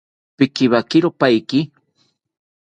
Pikiwakiro paiki